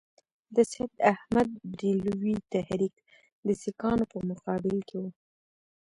د سید احمدبرېلوي تحریک د سیکهانو په مقابل کې وو.